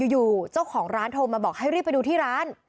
อยู่เจ้าของร้านโทรมาบอกให้รีบไปดูที่ร้าน